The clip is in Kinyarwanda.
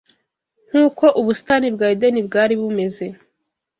nk’uko ubusitani bwa Edeni bwari bumeze